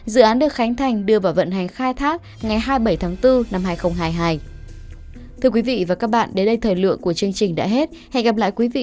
dự án được khánh thành đưa vào vận hành khai thác ngày hai mươi bảy tháng bốn năm hai nghìn hai mươi hai